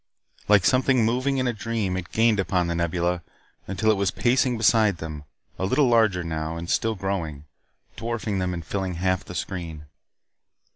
Like something moving in a dream it gained upon The Nebula, until it was pacing beside them a little larger now and still growing dwarfing them and filling half the screen.